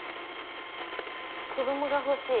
子どもが欲しい！